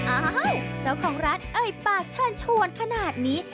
อ้าวเจ้าของร้านเอ่ยปากเชิญชวนขนาดนี้